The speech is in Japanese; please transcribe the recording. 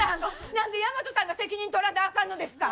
何で大和さんが責任取らなあかんのですか！？